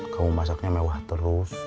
kamu masaknya mewah terus